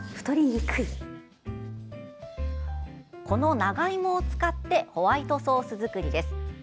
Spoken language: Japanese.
この長芋を使ってホワイトソース作りです。